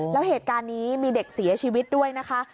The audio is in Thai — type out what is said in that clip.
แล้วเหตุการณ์นี้มีเด็กเสียชีวิตด้วยนะคะ